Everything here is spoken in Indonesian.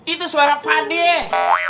itu suara pak dek